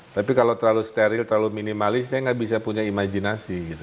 tapi kalau terlalu steril terlalu minimalis saya nggak bisa punya imajinasi gitu